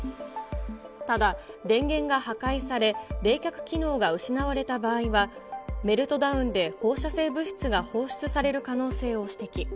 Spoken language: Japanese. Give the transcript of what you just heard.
ただ、電源が破壊され、冷却機能が失われた場合は、メルトダウンで放射性物質が放出される可能性を指摘。